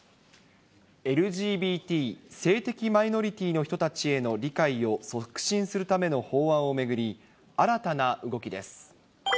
ＬＧＢＴ・性的マイノリティーの人たちへの理解を促進するための法案を巡り、新たな動きです。